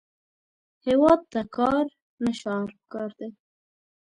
هیواد ته کار، نه شعار پکار دی